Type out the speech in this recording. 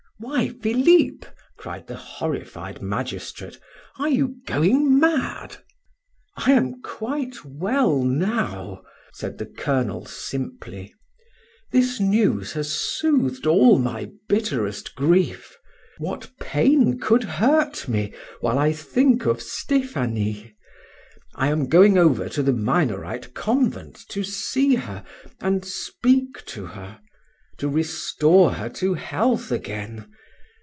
"Why, Philip!" cried the horrified magistrate. "Are you going mad?" "I am quite well now," said the colonel simply. "This news has soothed all my bitterest grief; what pain could hurt me while I think of Stephanie? I am going over to the Minorite convent, to see her and speak to her, to restore her to health again.